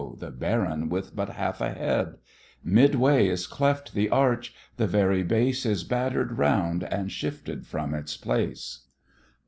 the Baron with but half a head: Midway is cleft the arch; the very base Is batter'd round and shifted from its place.